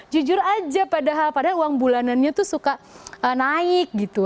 jujur aja padahal uang bulanannya tuh suka naik gitu